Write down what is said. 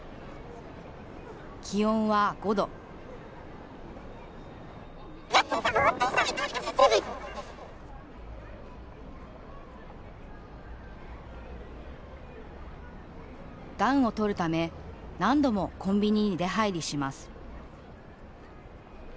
気温は５度暖をとるため何度もコンビニに出はいりします。